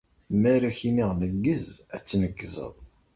Mi ara ak-iniɣ neggez, ad tneggzeḍ!